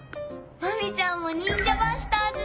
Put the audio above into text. マミちゃんも「ニンジャバスターズ」